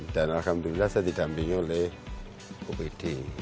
dan alhamdulillah saya didampingi oleh opd